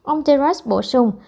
ông terence bổ sung